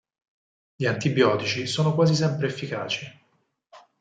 Gli antibiotici sono quasi sempre efficaci.